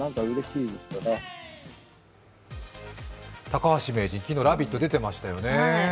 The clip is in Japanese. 高橋名人、昨日、「ラヴィット！」に出ていましたよね